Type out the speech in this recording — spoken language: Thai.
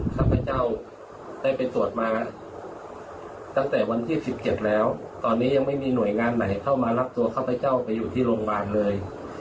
ข้าพเจ้าได้ไปตรวจมาตั้งแต่วันที่๑๗แล้วตอนนี้ยังไม่มีหน่วยงานไหนเข้ามารับตัวข้าพเจ้าไปอยู่ที่โรงพยาบาลเลย